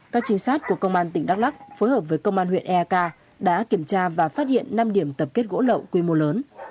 các trinh sát của công an tỉnh đắk lắc phối hợp với công an huyện eak đã kiểm tra và phát hiện năm điểm tập kết gỗ lậu quy mô lớn